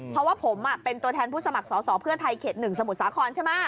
เพราะว่าผมเป็นตัวแทนผู้สมัครสอสอเพื่อไทยเขต๑สมุทรสาครใช่ไหม